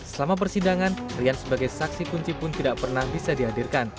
selama persidangan rian sebagai saksi kunci pun tidak pernah bisa dihadirkan